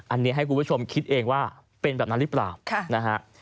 อันนี้ให้คุณผู้ชมคิดเองว่าเป็นแบบนั้นหรือเปล่านะฮะ